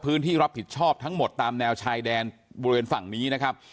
พื้นที่รับผิดชอบทั้งหมดตามแนวชายแดนบริเวณฝั่งนี้นะครับ